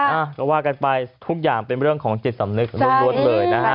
อ่ะก็ว่ากันไปทุกอย่างเป็นเรื่องของจิตสำนึกล้วนเลยนะฮะ